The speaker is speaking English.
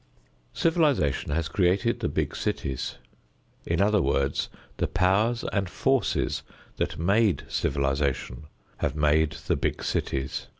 Civilization has created the big cities; in other words, the powers and forces that made civilization have made the big cities.